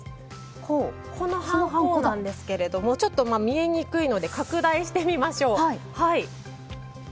このハンコなんですけれども見えにくいので拡大してみましょう。